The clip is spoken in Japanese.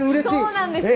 そうなんです。